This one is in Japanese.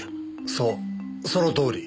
そうそのとおり。